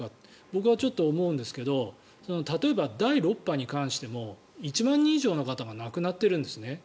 僕はちょっと思うんですけど例えば第６波に関しても１万人以上の方が亡くなっているんですね。